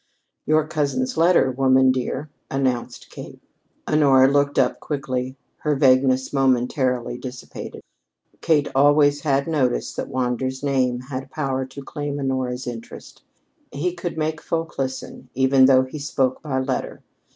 "Your cousin's letter, woman, dear," announced Kate. Honora looked up quickly, her vagueness momentarily dissipated. Kate always had noticed that Wander's name had power to claim Honora's interest. He could make folk listen, even though he spoke by letter.